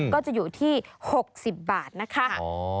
ก็จะอยู่ที่๖๐บาทนะคะ